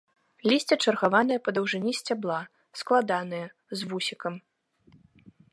Лісце чаргаванае па даўжыні сцябла, складанае, з вусікам.